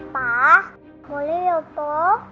pa boleh ya pa